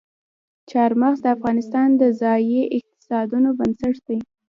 چار مغز د افغانستان د ځایي اقتصادونو بنسټ دی.